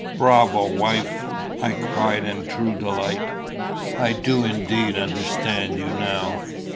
"Bravo, wife!" I cried in true delight. "I do indeed understand you now.